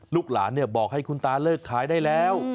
ลูกหลานบอก๑๗๐๐หรือบอกหลายเลิกขายได้แล้ว